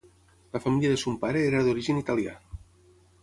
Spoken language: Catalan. La família de son pare era d'origen italià.